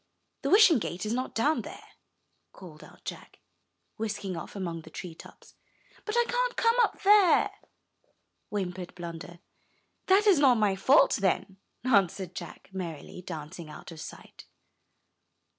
the Wishing Gate is not down there," called out Jack, whisking off among the treetops. "But I can't come up there," whimpered Blunder. "That is not my fault, then," answered Jack, merrily, dancing out of sight.